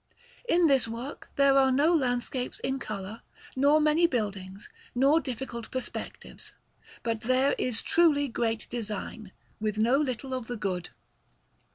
In this work there are no landscapes in colour, nor many buildings, nor difficult perspectives, but there is truly great design, with no little of the good.